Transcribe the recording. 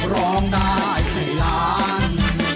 ร้องได้ให้ล้าน